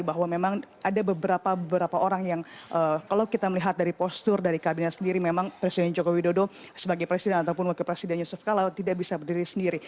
bahwa memang ada beberapa beberapa orang yang kalau kita melihat dari postur dari kabinet sendiri memang presiden jokowi dodo sebagai presiden ataupun wakil presiden yusuf kala tidak bisa berdiri sendiri